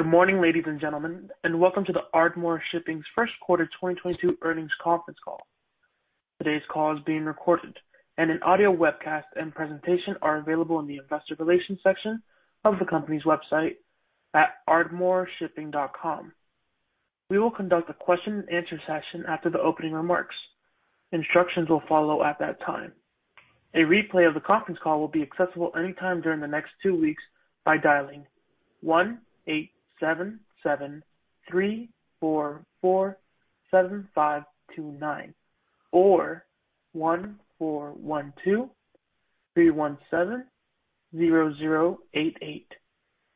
Good morning, ladies and gentlemen, and welcome to the Ardmore Shipping Corporation's Q1 2022 Earnings Conference Call. Today's call is being recorded, and an audio webcast and presentation are available in the investor relations section of the company's website at ardmoreshipping.com. We will conduct a question and answer session after the opening remarks. Instructions will follow at that time. A replay of the conference call will be accessible anytime during the next two weeks by dialing 1-877-344-7529 or 1-412-317-0088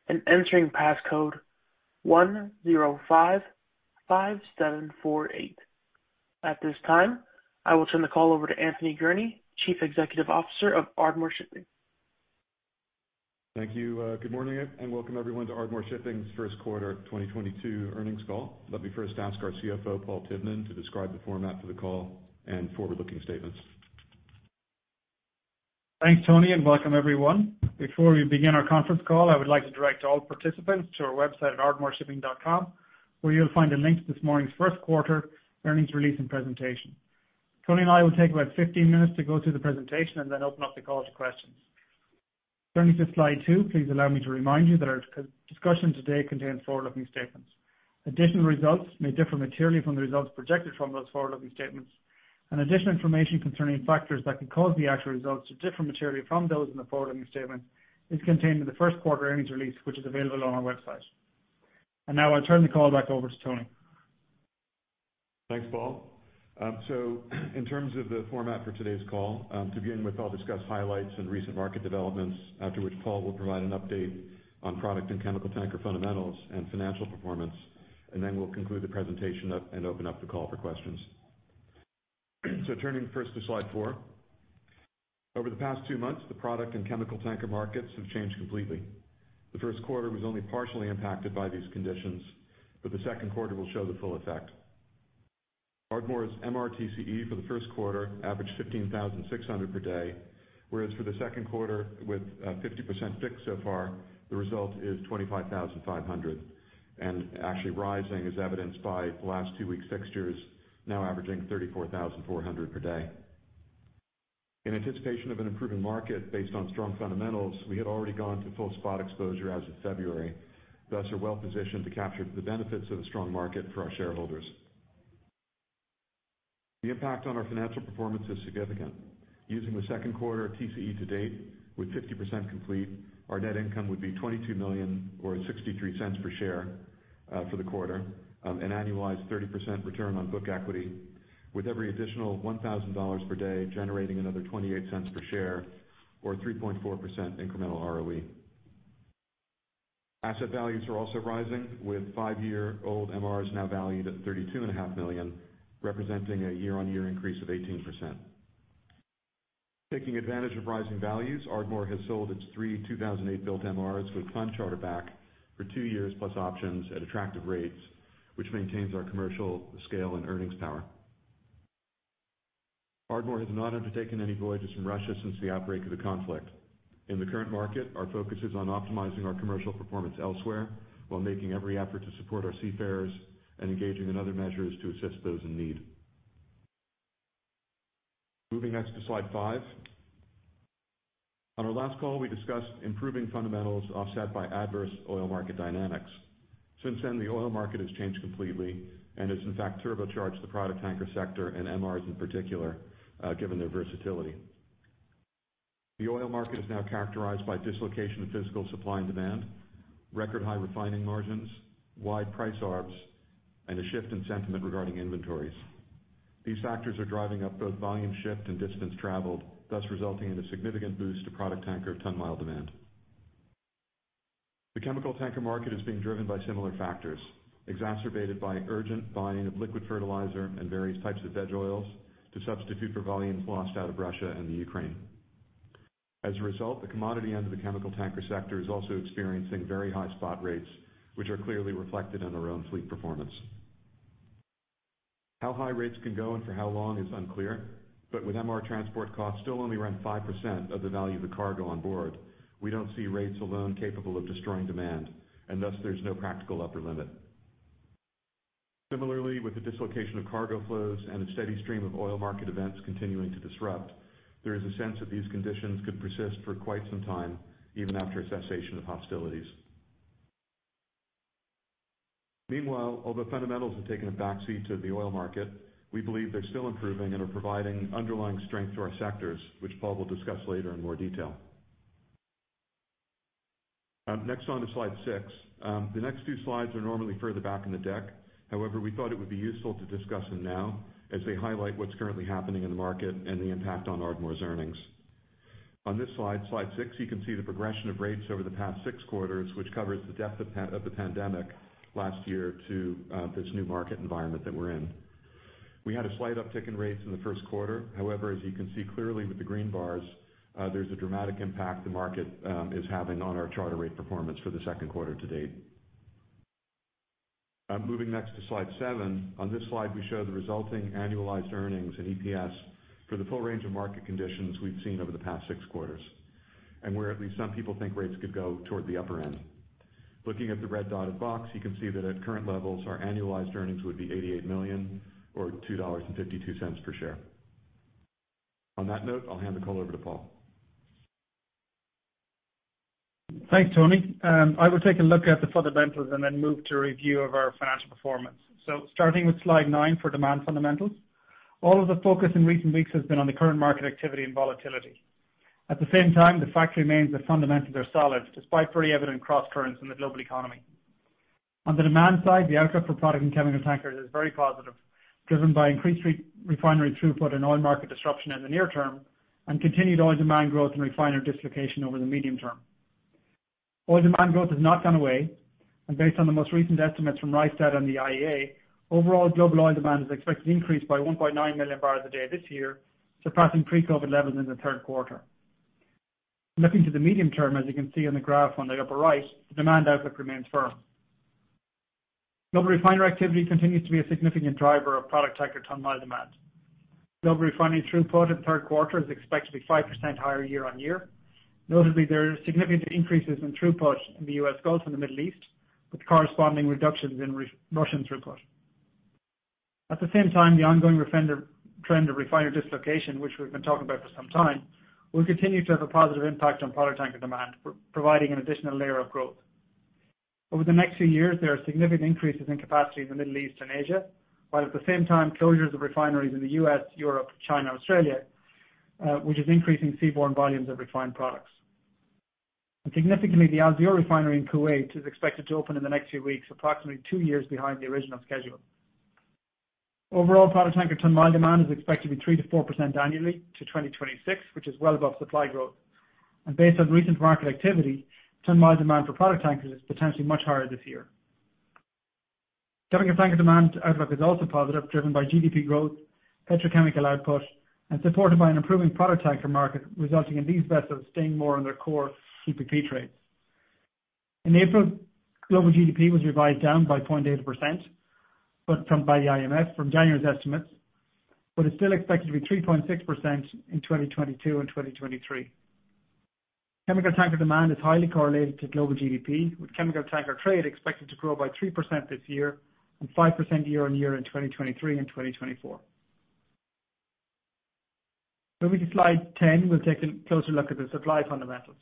and entering passcode 1055748. At this time, I will turn the call over to Anthony Gurnee, Chief Executive Officer of Ardmore Shipping Corporation. Thank you. Good morning and welcome everyone to Ardmore Shipping's Q1 2022 Earnings Call. Let me first ask our CFO, Paul Tivnan, to describe the format for the call and forward-looking statements. Thanks, Tony, and welcome everyone. Before we begin our conference call, I would like to direct all participants to our website at ardmoreshipping.com, where you'll find a link to this morning's Q1 earnings release and presentation. Tony and I will take about 15 minutes to go through the presentation and then open up the call to questions. Turning to slide 2, please allow me to remind you that our discussion today contains forward-looking statements. Additional results may differ materially from the results projected from those forward-looking statements, and additional information concerning factors that could cause the actual results to differ materially from those in the forward-looking statement is contained in the Q1 earnings release, which is available on our website. Now I'll turn the call back over to Tony. Thanks, Paul. In terms of the format for today's call, to begin with, I'll discuss highlights and recent market developments, after which Paul will provide an update on product and chemical tanker fundamentals and financial performance, and then we'll wrap up the presentation and open up the call for questions. Turning first to slide 4. Over the past two months, the product and chemical tanker markets have changed completely. The Q1 was only partially impacted by these conditions, but the Q2 will show the full effect. Ardmore's MR TCE for the Q1 averaged $15,600 per day, whereas for the Q2 with 50% fixed so far, the result is $25,500. Actually rising as evidenced by the last two weeks fixtures now averaging $34,400 per day. In anticipation of an improving market based on strong fundamentals, we had already gone to full spot exposure as of February, thus are well positioned to capture the benefits of the strong market for our shareholders. The impact on our financial performance is significant. Using the Q2 TCE to date with 50% complete, our net income would be $22 million or $0.63 per share for the quarter, an annualized 30% return on book equity, with every additional $1,000 per day generating another $0.28 per share or 3.4% incremental ROE. Asset values are also rising, with five-year-old MRs now valued at $32.5 million, representing a year-on-year increase of 18%. Taking advantage of rising values, Ardmore has sold its three 2008-built MRs with charter back for two years plus options at attractive rates, which maintains our commercial scale and earnings power. Ardmore has not undertaken any voyages from Russia since the outbreak of the conflict. In the current market, our focus is on optimizing our commercial performance elsewhere while making every effort to support our seafarers and engaging in other measures to assist those in need. Moving next to slide 5. On our last call, we discussed improving fundamentals offset by adverse oil market dynamics. Since then, the oil market has changed completely and has in fact turbocharged the product tanker sector and MRs in particular, given their versatility. The oil market is now characterized by dislocation of physical supply and demand, record high refining margins, wide price arbs, and a shift in sentiment regarding inventories. These factors are driving up both volume shift and distance traveled, thus resulting in a significant boost to product tanker ton-mile demand. The chemical tanker market is being driven by similar factors, exacerbated by urgent buying of liquid fertilizer and various types of veg oils to substitute for volumes lost out of Russia and the Ukraine. As a result, the commodity end of the chemical tanker sector is also experiencing very high spot rates, which are clearly reflected in our own fleet performance. How high rates can go and for how long is unclear, but with MR transport costs still only around 5% of the value of the cargo on board, we don't see rates alone capable of destroying demand, and thus there's no practical upper limit. Similarly, with the dislocation of cargo flows and a steady stream of oil market events continuing to disrupt, there is a sense that these conditions could persist for quite some time, even after a cessation of hostilities. Meanwhile, although fundamentals have taken a backseat to the oil market, we believe they're still improving and are providing underlying strength to our sectors, which Paul will discuss later in more detail. Next on to slide 6. The next two slides are normally further back in the deck. However, we thought it would be useful to discuss them now as they highlight what's currently happening in the market and the impact on Ardmore's earnings. On this slide 6, you can see the progression of rates over the past six quarters, which covers the depth of the pandemic last year to this new market environment that we're in. We had a slight uptick in rates in the Q1. However, as you can see clearly with the green bars, there's a dramatic impact the market is having on our charter rate performance for the Q2 to date. I'm moving next to slide 7. On this slide, we show the resulting annualized earnings and EPS for the full range of market conditions we've seen over the past six quarters, and where at least some people think rates could go toward the upper end. Looking at the red dotted box, you can see that at current levels, our annualized earnings would be $88 million or $2.52 per share. On that note, I'll hand the call over to Paul. Thanks, Tony. I will take a look at the fundamentals and then move to a review of our financial performance. Starting with slide 9 for demand fundamentals. All of the focus in recent weeks has been on the current market activity and volatility. At the same time, the fact remains that fundamentals are solid, despite pretty evident crosscurrents in the global economy. On the demand side, the outlook for product and chemical tankers is very positive, driven by increased re-refinery throughput and oil market disruption in the near term, and continued oil demand growth and refinery dislocation over the medium term. Oil demand growth has not gone away, and based on the most recent estimates from Rystad and the IEA, overall global oil demand is expected to increase by 1.9 million barrels a day this year, surpassing pre-COVID levels in the Q3. Looking to the medium term, as you can see on the graph on the upper right, the demand outlook remains firm. Global refinery activity continues to be a significant driver of product tanker ton-mile demand. Global refinery throughput in the Q3 is expected to be 5% higher year-on-year. Notably, there are significant increases in throughput in the U.S. Gulf and the Middle East, with corresponding reductions in Russian throughput. At the same time, the ongoing trend of refinery dislocation, which we've been talking about for some time, will continue to have a positive impact on product tanker demand, providing an additional layer of growth. Over the next few years, there are significant increases in capacity in the Middle East and Asia, while at the same time closures of refineries in the U.S., Europe, China, Australia, which is increasing seaborne volumes of refined products. Significantly, the Al Zour refinery in Kuwait is expected to open in the next few weeks, approximately two years behind the original schedule. Overall, product tanker ton-mile demand is expected to be 3% to 4% annually to 2026, which is well above supply growth. Based on recent market activity, ton-mile demand for product tankers is potentially much higher this year. Chemical tanker demand outlook is also positive, driven by GDP growth, petrochemical output, and supported by an improving product tanker market, resulting in these vessels staying more on their core CPP trades. In April, global GDP was revised down by 0.8%, but by the IMF from January's estimates, but it's still expected to be 3.6% in 2022 and 2023. Chemical tanker demand is highly correlated to global GDP, with chemical tanker trade expected to grow by 3% this year and 5% year-on-year in 2023 and 2024. Moving to slide 10, we'll take a closer look at the supply fundamentals.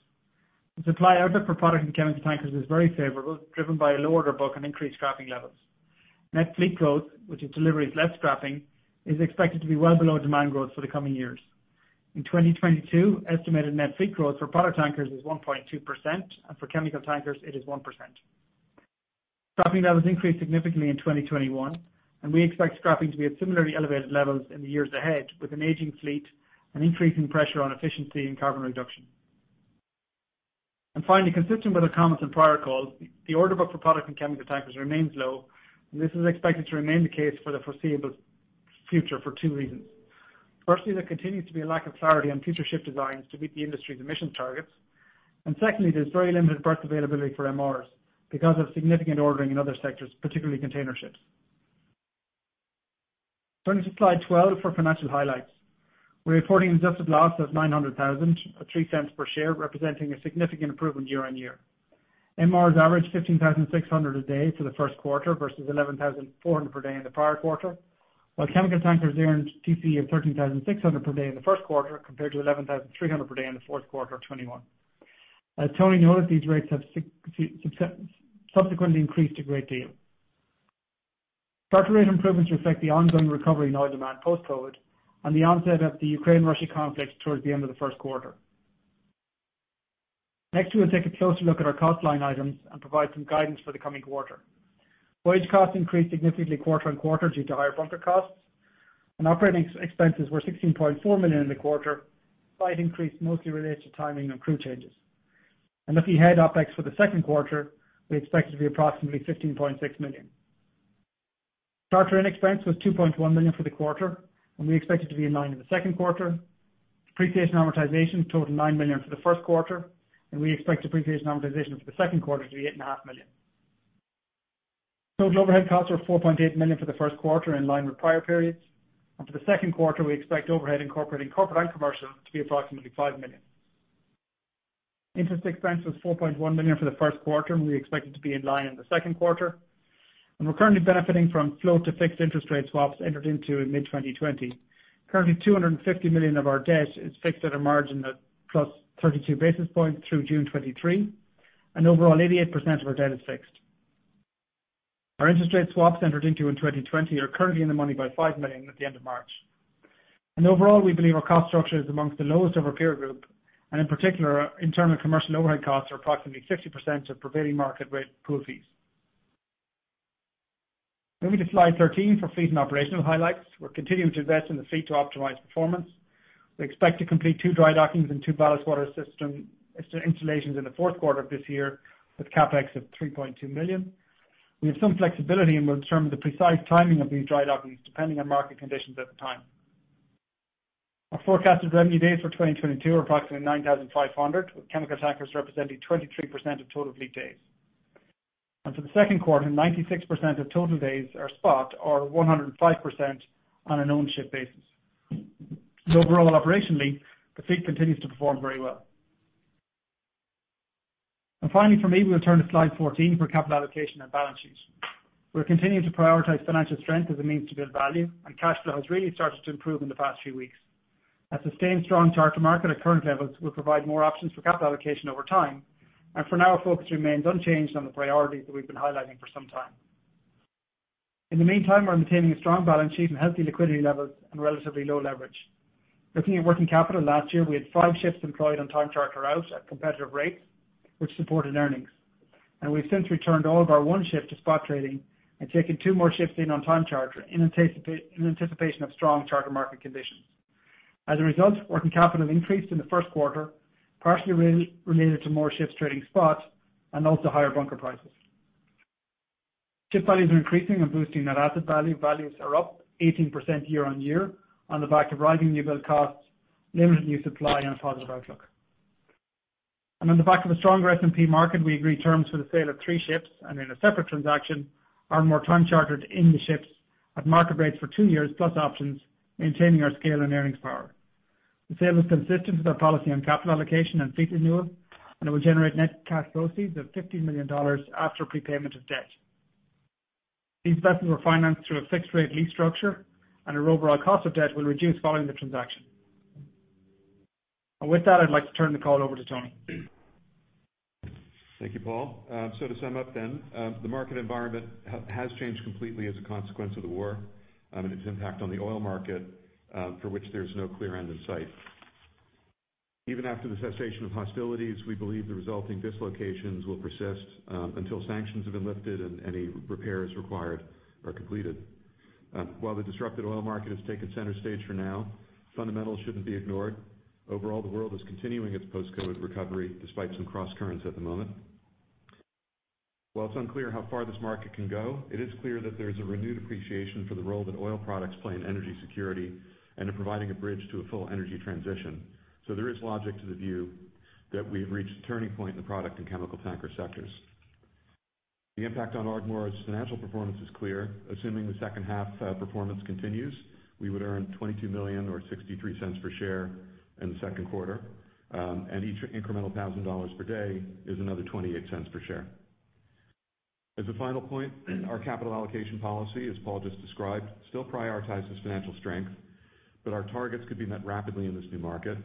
The supply outlook for product and chemical tankers is very favorable, driven by a low order book and increased scrapping levels. Net fleet growth, which is deliveries less scrapping, is expected to be well below demand growth for the coming years. In 2022, estimated net fleet growth for product tankers is 1.2%, and for chemical tankers it is 1%. Scrapping levels increased significantly in 2021, and we expect scrapping to be at similarly elevated levels in the years ahead, with an aging fleet and increasing pressure on efficiency and carbon reduction. Finally, consistent with our comments in prior calls, the order book for product and chemical tankers remains low, and this is expected to remain the case for the foreseeable future for two reasons. Firstly, there continues to be a lack of clarity on future ship designs to meet the industry's emission targets. Secondly, there's very limited berth availability for MRs because of significant ordering in other sectors, particularly container ships. Turning to slide 12 for financial highlights. We're reporting adjusted loss of $900,000 at $0.03 per share, representing a significant improvement year-on-year. MRs averaged $15,600 a day for the Q1 versus $11,400 per day in the prior quarter, while chemical tankers earned TC of $13,600 per day in the Q1 compared to $11,300 per day in the Q4 of 2021. As Tony noted, these rates have subsequently increased a great deal. Charter rate improvements reflect the ongoing recovery in oil demand post-COVID and the onset of the Ukraine-Russia conflict towards the end of the Q1. Next, we'll take a closer look at our cost line items and provide some guidance for the coming quarter. Wage costs increased significantly quarter-over-quarter due to higher bunker costs and operating expenses were $16.4 million in the quarter, slight increase mostly related to timing and crew changes. Looking ahead, OpEx for the second quarter, we expect it to be approximately $15.6 million. Charter-in expense was $2.1 million for the quarter, and we expect it to be in line in the Q2. Depreciation and amortization totaled $9 million for the Q1, and we expect depreciation and amortization for the Q2 to be $8.5 million. Total overhead costs were $4.8 million for the Q1, in line with prior periods. For the Q2, we expect overhead incorporating corporate and commercial to be approximately $5 million. Interest expense was $4.1 million for the Q1, and we expect it to be in line in the Q2. We're currently benefiting from float-to-fixed interest rate swaps entered into in mid-2020. Currently, $250 million of our debt is fixed at a margin of +32 basis points through June 2023, and overall, 88% of our debt is fixed. Our interest rate swaps entered into in 2020 are currently in the money by $5 million at the end of March. Overall, we believe our cost structure is amongst the lowest of our peer group, and in particular, internal commercial overhead costs are approximately 60% of prevailing market-wide pool fees. Moving to slide 13 for fleet and operational highlights. We're continuing to invest in the fleet to optimize performance. We expect to complete two dry dockings and two ballast water system installations in the Q4 of this year with CapEx of $3.2 million. We have some flexibility and we'll determine the precise timing of these dry dockings depending on market conditions at the time. Our forecasted revenue days for 2022 are approximately 9,500, with chemical tankers representing 23% of total fleet days. For the Q2, 96% of total days are spot or 105% on an owned ship basis. Overall, operationally, the fleet continues to perform very well. Finally, for me, we'll turn to slide 14 for capital allocation and balance sheet. We're continuing to prioritize financial strength as a means to build value, and cash flow has really started to improve in the past few weeks. A sustained strong charter market at current levels will provide more options for capital allocation over time. For now, our focus remains unchanged on the priorities that we've been highlighting for some time. In the meantime, we're maintaining a strong balance sheet and healthy liquidity levels and relatively low leverage. Looking at working capital last year, we had five ships employed on time charter out at competitive rates, which supported earnings. We've since returned all of our one ship to spot trading and taken two more ships in on time charter in anticipation of strong charter market conditions. As a result, working capital increased in the Q1, partially related to more ships trading spot and also higher bunker prices. Ship values are increasing and boosting net asset value. Values are up 18% year-on-year on the back of rising newbuild costs, limited new supply and a positive outlook. On the back of a stronger S&P market, we agreed terms for the sale of three ships and in a separate transaction, Ardmore time chartered in the ships at market rates for two years, plus options, maintaining our scale and earnings power. The sale is consistent with our policy on capital allocation and fleet renewal, and it will generate net cash proceeds of $15 million after prepayment of debt. These vessels were financed through a fixed rate lease structure, and our overall cost of debt will reduce following the transaction. With that, I'd like to turn the call over to Tony. Thank you, Paul. To sum up, the market environment has changed completely as a consequence of the war, and its impact on the oil market, for which there's no clear end in sight. Even after the cessation of hostilities, we believe the resulting dislocations will persist, until sanctions have been lifted and any repairs required are completed. While the disrupted oil market has taken center stage for now, fundamentals shouldn't be ignored. Overall, the world is continuing its post-COVID recovery despite some crosscurrents at the moment. While it's unclear how far this market can go, it is clear that there's a renewed appreciation for the role that oil products play in energy security and in providing a bridge to a full energy transition. There is logic to the view that we've reached a turning point in the product and chemical tanker sectors. The impact on Ardmore's financial performance is clear. Assuming the second half performance continues, we would earn $22 million or $0.63 per share in the Q2. And each incremental $1,000 per day is another $0.28 per share. As a final point, our capital allocation policy, as Paul just described, still prioritizes financial strength, but our targets could be met rapidly in this new market,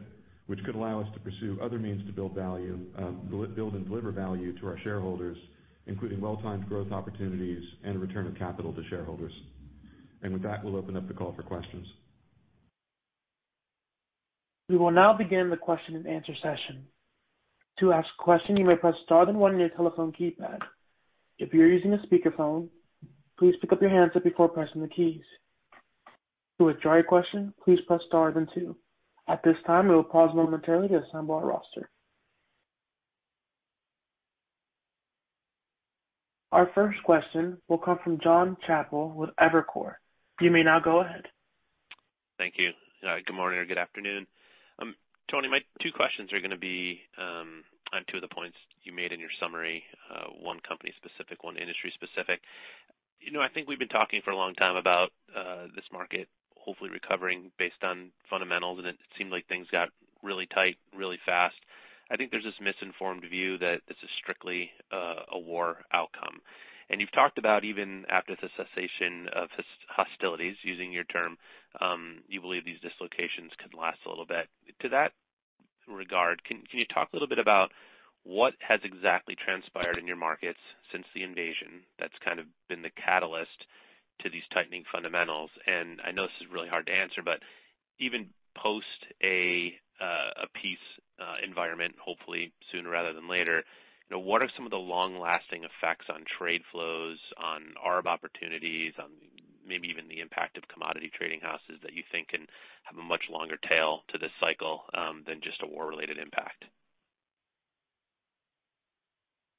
which could allow us to pursue other means to build value, build and deliver value to our shareholders, including well-timed growth opportunities and return of capital to shareholders. With that, we'll open up the call for questions. We will now begin the question-and-answer session. To ask a question, you may press star then one on your telephone keypad. If you're using a speakerphone, please pick up your handset before pressing the keys. To withdraw your question, please press star then two. At this time, we will pause momentarily to assemble our roster. Our first question will come from Jonathan Chappell with Evercore. You may now go ahead. Thank you. Good morning or good afternoon. Tony, my two questions are gonna be on two of the points you made in your summary, one company specific, one industry specific. You know, I think we've been talking for a long time about this market hopefully recovering based on fundamentals, and it seemed like things got really tight really fast. I think there's this misinformed view that this is strictly a war outcome. You've talked about even after the cessation of hostilities, using your term, you believe these dislocations could last a little bit. To that regard, can you talk a little bit about what has exactly transpired in your markets since the invasion that's kind of been the catalyst to these tightening fundamentals? I know this is really hard to answer, but even post a peace environment, hopefully sooner rather than later, you know, what are some of the long-lasting effects on trade flows, on arb opportunities, on maybe even the impact of commodity trading houses that you think can have a much longer tail to this cycle, than just a war-related impact?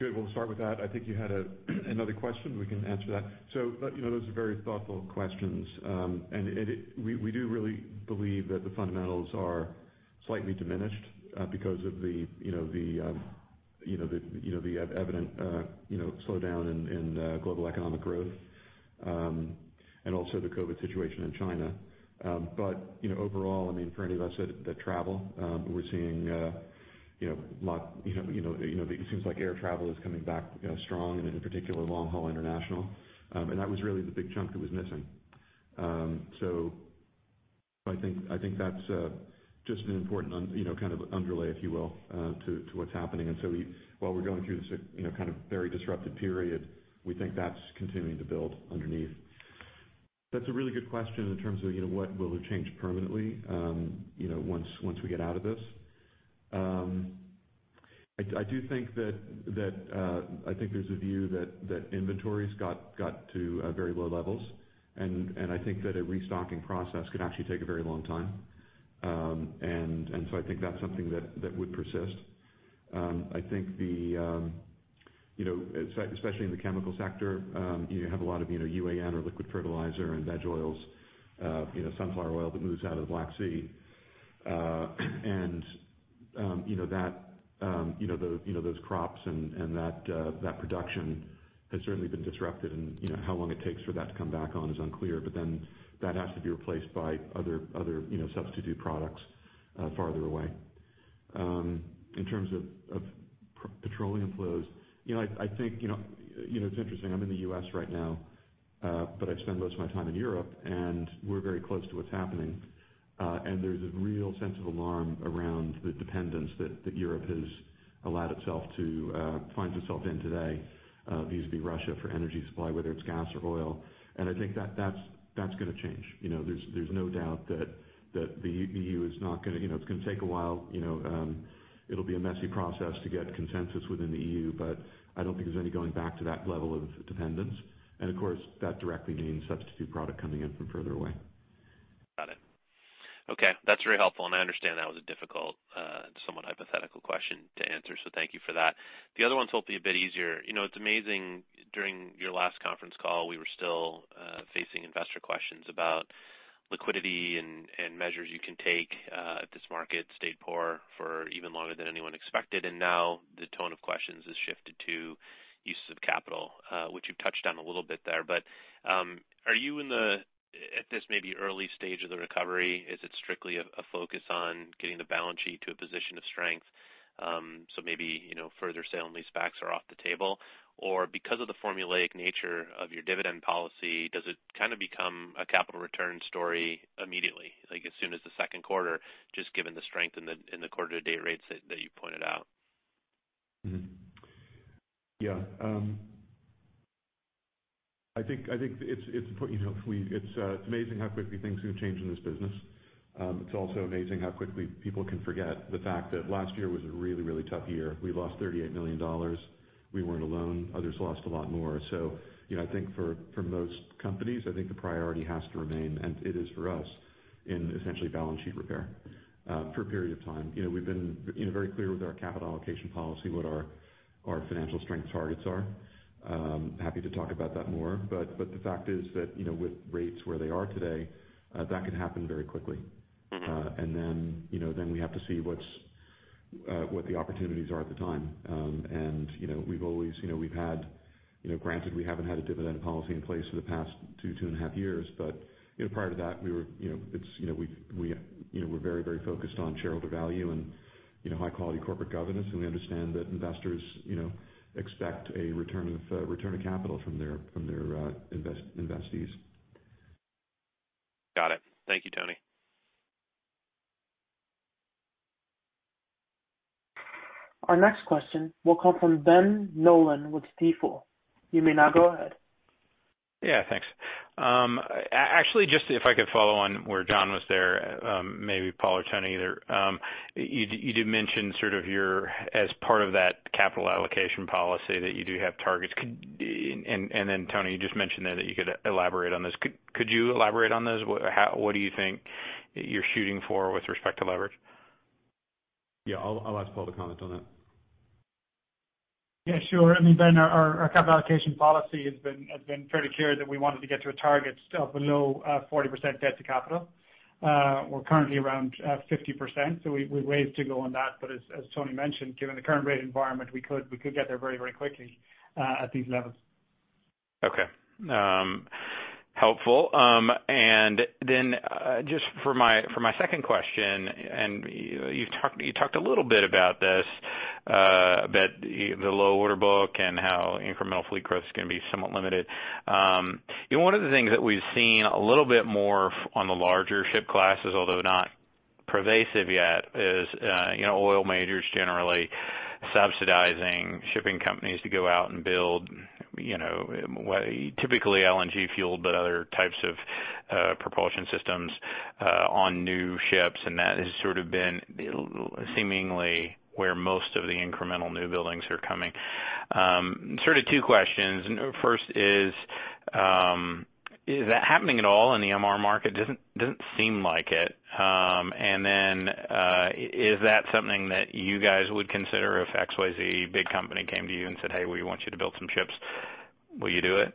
Good. We'll start with that. I think you had another question. We can answer that. You know, those are very thoughtful questions. We do really believe that the fundamentals are slightly diminished because of the evident slowdown in global economic growth and also the COVID situation in China. You know, overall, I mean, for any of us that travel, we're seeing a lot, you know, it seems like air travel is coming back strong and in particular, long-haul international. That was really the big chunk that was missing. I think that's just an important underlay, you know, kind of, if you will, to what's happening. While we're going through this, you know, kind of very disruptive period, we think that's continuing to build underneath. That's a really good question in terms of, you know, what will have changed permanently, you know, once we get out of this. I do think that I think there's a view that inventories got to very low levels. I think that's something that would persist. I think, you know, especially in the chemical sector, you have a lot of, you know, UAN or liquid fertilizer and veg oils, you know, sunflower oil that moves out of the Black Sea. You know that those crops and that production has certainly been disrupted and, you know, how long it takes for that to come back on is unclear. That has to be replaced by other substitute products farther away. In terms of petroleum flows, you know, I think it's interesting. I'm in the U.S. right now, but I spend most of my time in Europe, and we're very close to what's happening. There's a real sense of alarm around the dependence that Europe has allowed itself to find itself in today vis-à-vis Russia for energy supply, whether it's gas or oil. I think that's gonna change. You know, there's no doubt that the EU is not gonna. You know, it's gonna take a while, you know, it'll be a messy process to get consensus within the EU, but I don't think there's any going back to that level of dependence. Of course, that directly means substitute product coming in from further away. Got it. Okay. That's very helpful, and I understand that was a difficult, somewhat hypothetical question to answer, so thank you for that. The other one's hopefully a bit easier. You know, it's amazing, during your last conference call, we were still facing investor questions about liquidity and measures you can take if this market stayed poor for even longer than anyone expected. Now the tone of questions has shifted to use of capital, which you've touched on a little bit there. Are you in the, at this maybe early stage of the recovery, is it strictly a focus on getting the balance sheet to a position of strength? So maybe, you know, further sale on these sale-leasebacks are off the table? Because of the formulaic nature of your dividend policy, does it kind of become a capital return story immediately, like as soon as the Q2, just given the strength in the quarter to date rates that you pointed out? I think it's important. It's amazing how quickly things can change in this business. It's also amazing how quickly people can forget the fact that last year was a really tough year. We lost $38 million. We weren't alone. Others lost a lot more. You know, I think for most companies, I think the priority has to remain, and it is for us, in essentially balance sheet repair, for a period of time. You know, we've been very clear with our capital allocation policy, what our financial strength targets are. Happy to talk about that more. The fact is that, you know, with rates where they are today, that can happen very quickly. We have to see what the opportunities are at the time. you know, we've always, you know, we've had, you know, granted, we haven't had a dividend policy in place for the past 2.5 years. you know, prior to that we're very focused on shareholder value and high quality corporate governance. We understand that investors, you know, expect a return of capital from their investees. Got it. Thank you, Tony. Our next question will come from Ben Nolan with Stifel. You may now go ahead. Yeah. Thanks. Actually, just if I could follow on where John was there, maybe Paul or Tony, either. You did mention sort of your as part of that capital allocation policy that you do have targets. Tony, you just mentioned there that you could elaborate on this. Could you elaborate on those? What do you think you're shooting for with respect to leverage? Yeah. I'll ask Paul to comment on that. Yeah, sure. I mean, Ben, our capital allocation policy has been fairly clear that we wanted to get to a target of below 40% debt to capital. We're currently around 50%, so we've ways to go on that. As Tony mentioned, given the current rate environment, we could get there very quickly at these levels. Okay. Helpful. Just for my second question, and you talked a little bit about this about the low order book and how incremental fleet growth is gonna be somewhat limited. You know, one of the things that we've seen a little bit more on the larger ship classes, although not pervasive yet, is you know, oil majors generally subsidizing shipping companies to go out and build, you know, well, typically LNG fuel, but other types of propulsion systems on new ships. That has sort of been seemingly where most of the incremental new buildings are coming. Sort of two questions. First is that happening at all in the MR market? Doesn't seem like it. Is that something that you guys would consider if XYZ big company came to you and said, "Hey, we want you to build some ships," will you do it?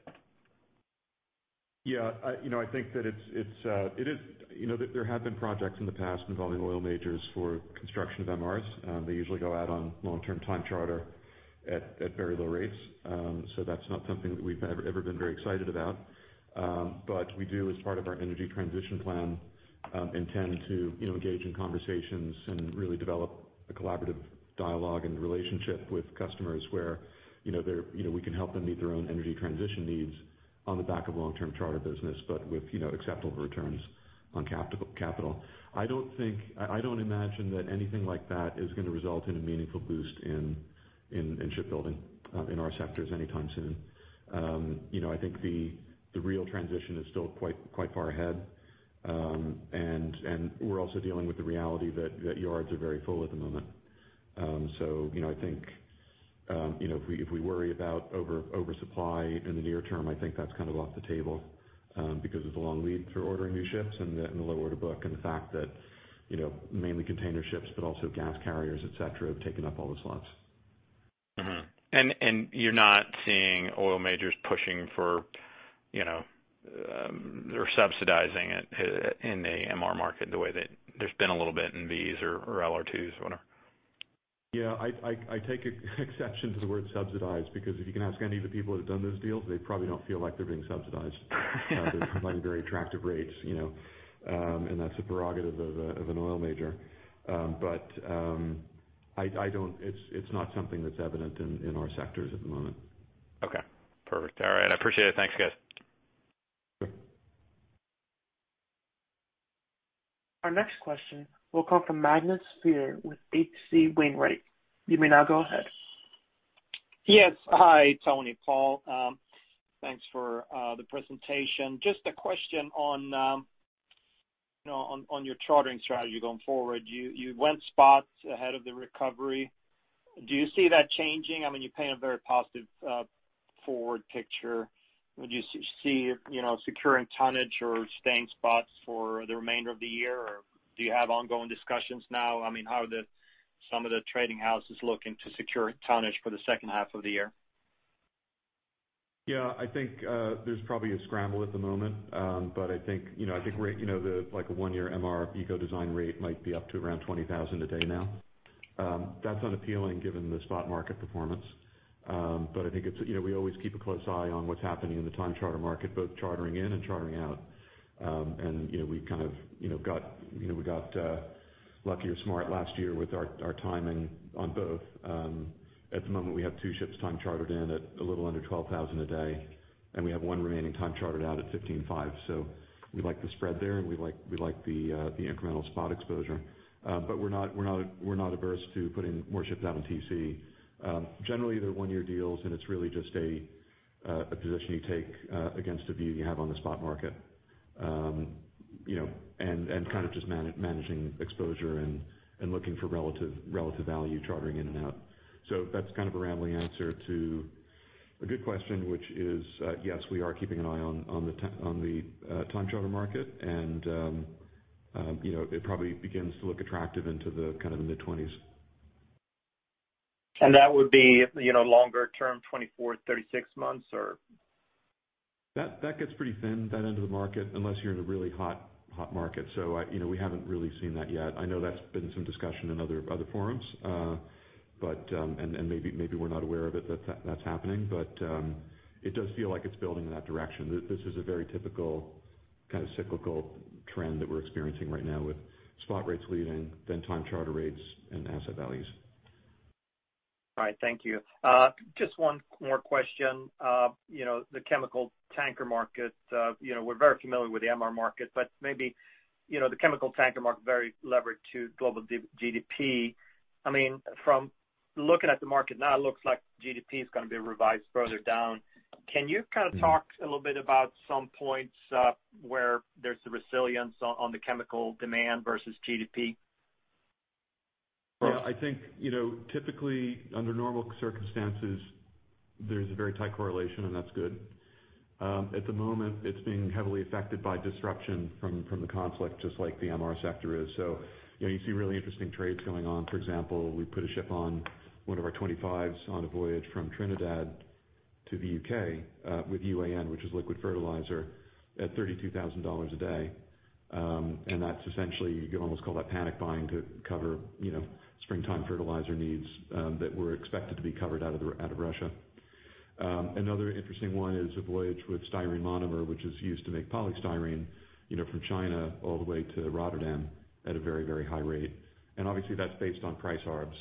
Yeah. You know, I think that it is, you know, there have been projects in the past involving oil majors for construction of MRs. They usually go out on long-term time charter at very low rates. That's not something that we've ever been very excited about. We do, as part of our energy transition plan, intend to, you know, engage in conversations and really develop a collaborative dialogue and relationship with customers where, you know, they're, you know, we can help them meet their own energy transition needs on the back of long-term charter business, but with, you know, acceptable returns on capital. I don't imagine that anything like that is gonna result in a meaningful boost in shipbuilding in our sectors anytime soon. You know, I think the real transition is still quite far ahead. We're also dealing with the reality that yards are very full at the moment. You know, I think if we worry about oversupply in the near term, I think that's kind of off the table, because there's a long lead time for ordering new ships and the low order book and the fact that, you know, mainly container ships but also gas carriers, et cetera, have taken up all the slots. You're not seeing oil majors pushing for, you know, or subsidizing it in the MR market the way that there's been a little bit in VLCCs or LR2s, whatever? Yeah. I take exception to the word subsidized because if you can ask any of the people that have done those deals, they probably don't feel like they're being subsidized. They're providing very attractive rates, you know, and that's a prerogative of an oil major. It's not something that's evident in our sectors at the moment. Okay, perfect. All right, I appreciate it. Thanks, guys. Sure. Our next question will come from Magnus Fyhr with H.C. Wainwright & Co. You may now go ahead. Yes. Hi, Tony, Paul. Thanks for the presentation. Just a question on, you know, on your chartering strategy going forward. You went spots ahead of the recovery. Do you see that changing? I mean, you paint a very positive forward picture. Would you see, you know, securing tonnage or staying spots for the remainder of the year or do you have ongoing discussions now? I mean, how are some of the trading houses looking to secure tonnage for the second half of the year? Yeah. I think there's probably a scramble at the moment. I think, you know, I think the like one-year MR eco-design rate might be up to around $20,000 a day now. That's unappealing given the spot market performance. I think it's, you know, we always keep a close eye on what's happening in the time charter market, both chartering in and chartering out. You know, we've kind of got lucky or smart last year with our timing on both. At the moment, we have two ships time chartered in at a little under $12,000 a day, and we have one remaining time chartered out at $15,500. We like the spread there and we like the incremental spot exposure. We're not averse to putting more ships out on TC. Generally, they're one-year deals and it's really just a position you take against a view you have on the spot market. You know, kind of just managing exposure and looking for relative value chartering in and out. That's kind of a rambling answer to a good question, which is, yes, we are keeping an eye on the time charter market and, you know, it probably begins to look attractive into the kind of mid-20s. That would be, you know, longer term, 24, 36 months, or? That gets pretty thin, that end of the market, unless you're in a really hot market. You know, we haven't really seen that yet. I know that's been some discussion in other forums, but maybe we're not aware of it, that's happening. It does feel like it's building in that direction. This is a very typical kind of cyclical trend that we're experiencing right now with spot rates leading then time charter rates and asset values. All right. Thank you. Just one more question. You know, the chemical tanker market, you know, we're very familiar with the MR market, but maybe, you know, the chemical tanker market very levered to global GDP. I mean, from looking at the market now, it looks like GDP is gonna be revised further down. Can you kind of talk a little bit about some points, where there's the resilience on the chemical demand versus GDP? Yeah. I think, you know, typically under normal circumstances, there's a very tight correlation, and that's good. At the moment, it's being heavily affected by disruption from the conflict, just like the MR sector is. You know, you see really interesting trades going on. For example, we put a ship on one of our 25s on a voyage from Trinidad to the U.K. with UAN, which is liquid fertilizer, at $32,000 a day. That's essentially, you could almost call that panic buying to cover, you know, springtime fertilizer needs that were expected to be covered out of Russia. Another interesting one is a voyage with styrene monomer, which is used to make polystyrene, you know, from China all the way to Rotterdam at a very, very high rate. Obviously that's based on price arbs.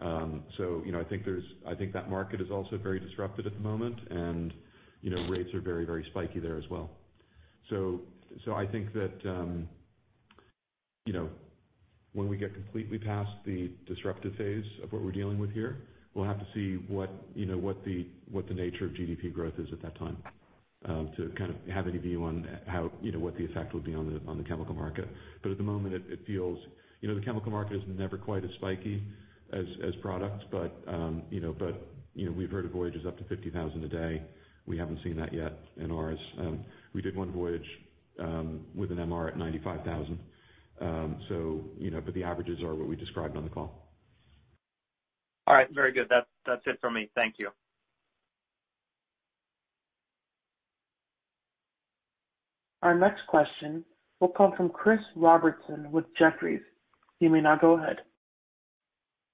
I think that market is also very disrupted at the moment and, you know, rates are very, very spiky there as well. I think that, you know, when we get completely past the disruptive phase of what we're dealing with here, we'll have to see what the nature of GDP growth is at that time, to kind of have any view on how, you know, what the effect will be on the chemical market. At the moment it feels you know, the chemical market is never quite as spiky as products, but, you know, we've heard of voyages up to $50,000 a day. We haven't seen that yet in ours. We did one voyage with an MR at $95,000. You know, the averages are what we described on the call. All right. Very good. That's it for me. Thank you. Our next question will come from Christopher Robertson with Jefferies. You may now go ahead.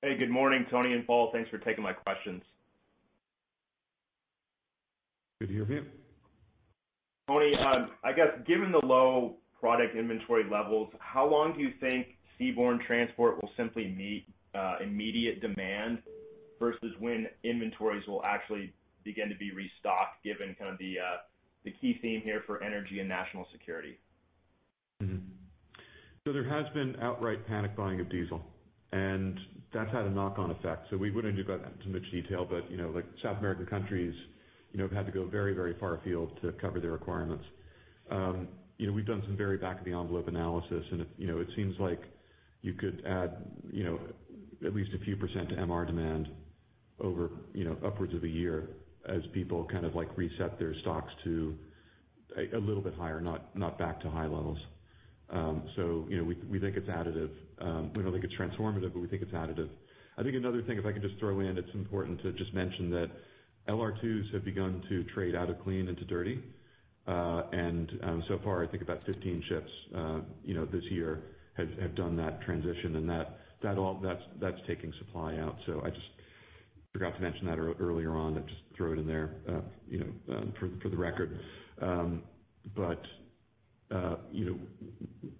Hey, good morning, Tony and Paul. Thanks for taking my questions. Good to hear from you. Tony, I guess given the low product inventory levels, how long do you think seaborne transport will simply meet immediate demand versus when inventories will actually begin to be restocked given kind of the key theme here for energy and national security? There has been outright panic buying of diesel, and that's had a knock-on effect. We went into that in too much detail, but, you know, like South American countries, you know, have had to go very, very far afield to cover their requirements. You know, we've done some very back-of-the-envelope analysis and it, you know, it seems like you could add, you know, at least a few percent to MR demand over, you know, upwards of a year as people kind of like reset their stocks to a little bit higher, not back to high levels. You know, we think it's additive. We don't think it's transformative, but we think it's additive. I think another thing if I could just throw in, it's important to just mention that LR2s have begun to trade out of clean into dirty. So far I think about 15 ships this year have done that transition and that's taking supply out. I just forgot to mention that earlier on, but just throw it in there for the record.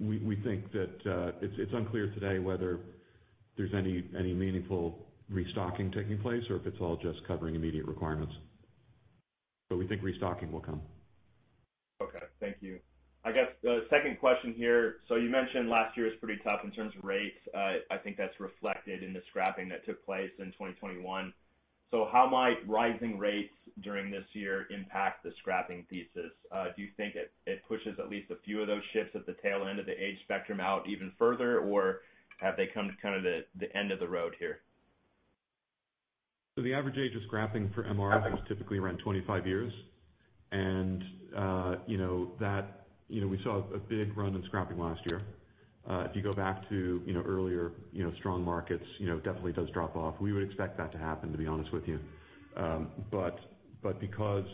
We think that it's unclear today whether there's any meaningful restocking taking place or if it's all just covering immediate requirements. We think restocking will come. Okay, thank you. I guess the second question here. You mentioned last year was pretty tough in terms of rates. I think that's reflected in the scrapping that took place in 2021. How might rising rates during this year impact the scrapping thesis? Do you think it pushes at least a few of those ships at the tail end of the age spectrum out even further? Or have they come to kind of the end of the road here? The average age of scrapping for MR is typically around 25 years. You know, that, you know, we saw a big run in scrapping last year. If you go back to, you know, earlier, you know, strong markets, you know, it definitely does drop off. We would expect that to happen, to be honest with you. But because,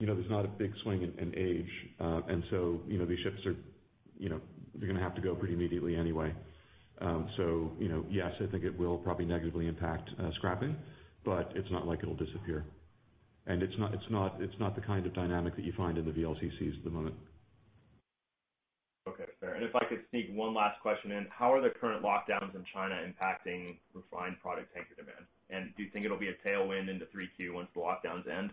you know, there's not a big swing in age, and so, you know, these ships are, you know, they're gonna have to go pretty immediately anyway. You know, yes, I think it will probably negatively impact scrapping, but it's not like it'll disappear. It's not the kind of dynamic that you find in the VLCCs at the moment. Okay, fair. If I could sneak one last question in. How are the current lockdowns in China impacting refined product tanker demand? Do you think it'll be a tailwind into 3Q once the lockdowns end?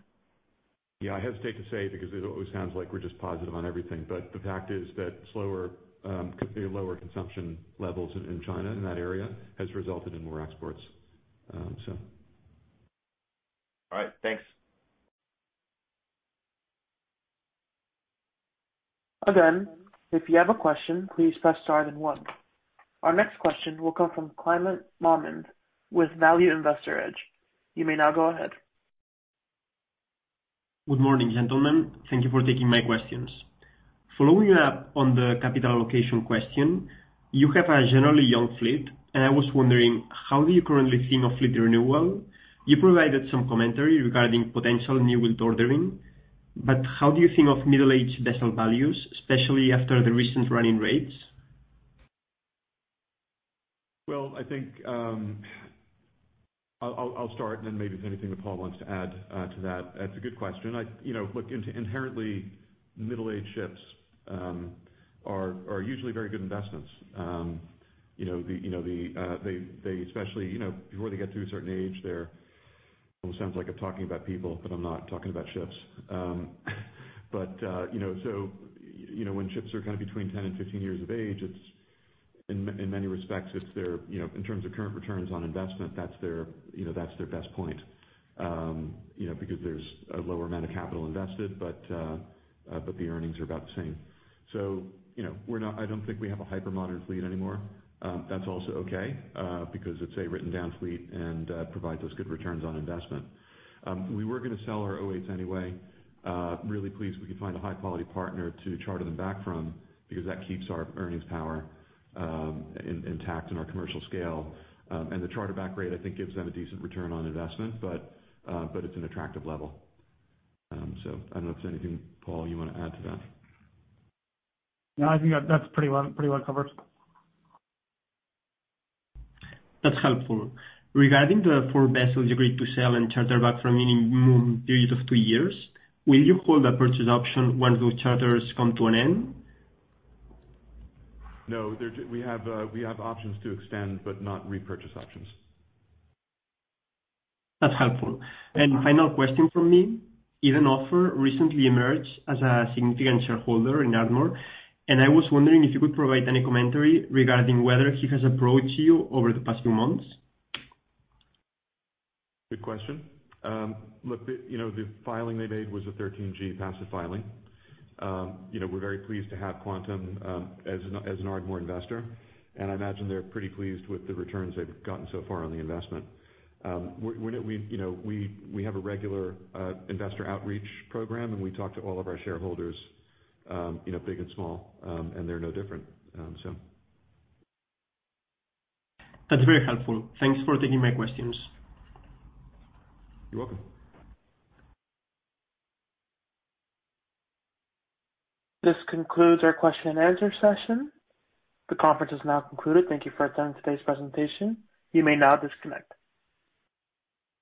Yeah, I hesitate to say because it always sounds like we're just positive on everything. The fact is that slower, completely lower consumption levels in China, in that area, has resulted in more exports. All right. Thanks. Again, if you have a question, please press star then one. Our next question will come from Climent Molins with Value Investor's Edge. You may now go ahead. Good morning, gentlemen. Thank you for taking my questions. Following up on the capital allocation question, you have a generally young fleet, and I was wondering how do you currently think of fleet renewal? You provided some commentary regarding potential new build ordering, but how do you think of middle-aged vessel values, especially after the recent running rates? Well, I think I'll start and then maybe there's anything that Paul wants to add to that. That's a good question. You know, inherently middle-aged ships are usually very good investments. You know, they especially, you know, before they get to a certain age. It almost sounds like I'm talking about people, but I'm not. I'm talking about ships. You know, when ships are kind of between 10 and 15 years of age, it's in many respects their best point in terms of current returns on investment. You know, because there's a lower amount of capital invested, but the earnings are about the same. You know, I don't think we have a hyper modern fleet anymore. That's also okay, because it's a written down fleet and provides us good returns on investment. We were gonna sell our 08s anyway. Really pleased we could find a high-quality partner to charter them back from because that keeps our earnings power intact in our commercial scale. The charter back rate, I think gives them a decent return on investment, but it's an attractive level. I don't know if there's anything, Paul, you wanna add to that. No, I think that's pretty well covered. That's helpful. Regarding the four vessels agreed to sell and charter back for minimum period of two years, will you hold that purchase option once those charters come to an end? No. We have options to extend, but not repurchase options. That's helpful. Final question from me. Idan Ofer recently emerged as a significant shareholder in Ardmore, and I was wondering if you could provide any commentary regarding whether he has approached you over the past few months. Good question. Look, you know, the filing they made was a 13G passive filing. You know, we're very pleased to have Quantum as an Ardmore investor, and I imagine they're pretty pleased with the returns they've gotten so far on the investment. You know, we have a regular investor outreach program, and we talk to all of our shareholders, big and small, and they're no different. That's very helpful. Thanks for taking my questions. You're welcome. This concludes our question and answer session. The conference is now concluded. Thank you for attending today's presentation. You may now disconnect.